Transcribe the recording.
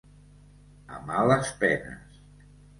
A males penes.